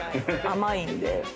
甘いんで。